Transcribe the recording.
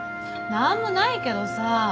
何もないけどさ。